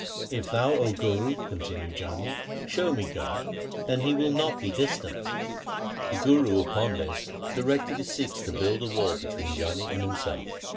1 ' If thou, O Guru ', continued Jani, ' show me God, then He will not be distant.' The Guru upon this directed his Sikhs to build a wall between Jani and himself.